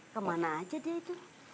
kemana aja dia itu